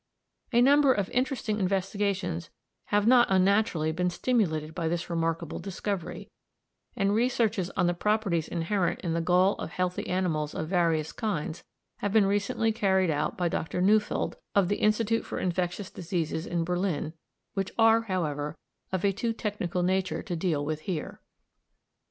A number of interesting investigations have not unnaturally been stimulated by this remarkable discovery, and researches on the properties inherent in the gall of healthy animals of various kinds have been recently carried out by Dr. Neufeld, of the Institute for Infectious Diseases in Berlin, which are, however, of a too technical nature to deal with here.